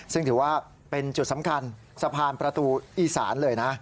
ซึ่งถือว่าเป็นจุดสำคัญสะพานประตูอีสานเลยนะ